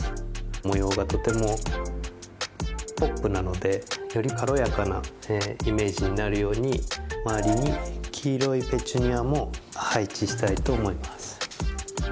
模様がとてもポップなのでより軽やかなイメージになるように周りに黄色いペチュニアも配置したいと思います。